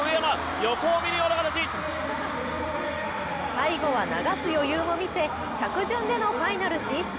最後は流す余裕も見せ着順でのファイナル進出。